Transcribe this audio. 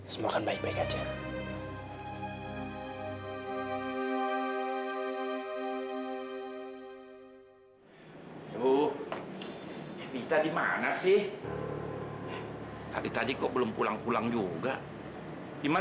sampai jumpa di video selanjutnya